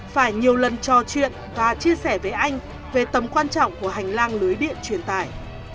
phải nhiều lần trò chuyện và chia sẻ với anh về tầm quan trọng của hành lang lưới điện truyền tài